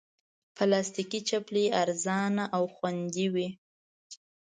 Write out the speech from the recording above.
پلاستيکي چپلی ارزانه او خوندې وي.